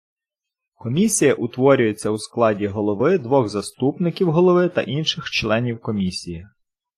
Комісія утворюється у складі голови, двох заступників голови та інших членів Комісії.